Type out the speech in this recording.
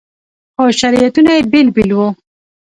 خو شریعتونه یې بېل بېل وو.